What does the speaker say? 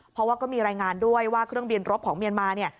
เพราะว่าก็มีรายงานด้วยว่าเครื่องบินรบของเมียนมาเนี่ย